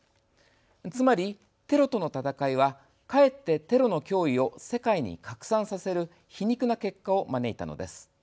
つまり、テロとの戦いはかえってテロの脅威を世界に拡散させる皮肉な結果を招いたのです。